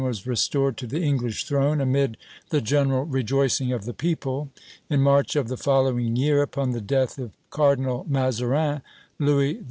was restored to the English throne amid the general rejoicing of the people. In March of the following year, upon the death of Cardinal Mazarin, Louis XIV.